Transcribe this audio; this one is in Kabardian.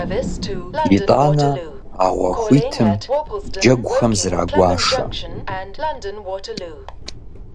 ИтӀанэ а гъуэ хуитым джэгухэм зрагуашэ.